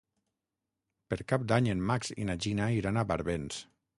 Per Cap d'Any en Max i na Gina iran a Barbens.